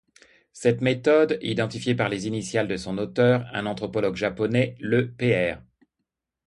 Cette méthode, identifiée par les initiales de son auteur, un anthropologue japonais, le Pr.